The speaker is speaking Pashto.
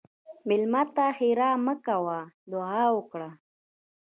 مېلمه ته ښیرا مه کوه، دعا وکړه.